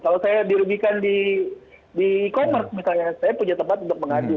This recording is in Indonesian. kalau saya dirugikan di e commerce misalnya saya punya tempat untuk mengadu